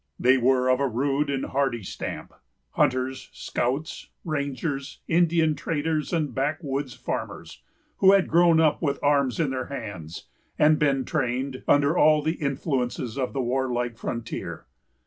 They were of a rude and hardy stamp, hunters, scouts, rangers, Indian traders, and backwoods farmers, who had grown up with arms in their hands, and been trained under all the influences of the warlike frontier.